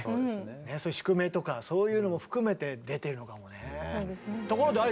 そういう宿命とかそういうのも含めて出てるのかもね。